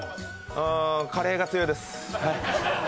カレーが強いです。